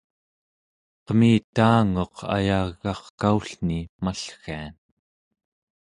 qemitaanguq ayagarkaullni mallgian